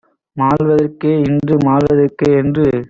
மாள்வதற்கே இன்று மாள்வதற்கே!" என்று